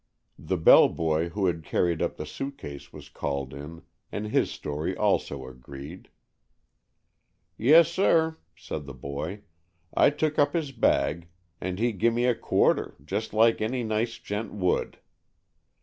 The bellboy who had carried up the suitcase was called in, and his story also agreed. "Yessir," said the boy; "I took up his bag, and he gimme a quarter, just like any nice gent would.